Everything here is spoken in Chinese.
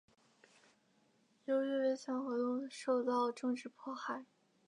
由于维权活动受到政治迫害。